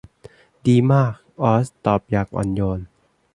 ดีมากออซตอบอย่างอ่อนโยน